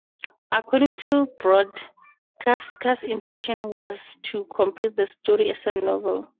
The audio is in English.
According to Brod, Kafka's intention was to complete the story as a novel.